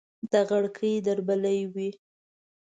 د غړکې دربلۍ وي